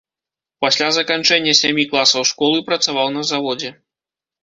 Пасля заканчэння сямі класаў школы працаваў на заводзе.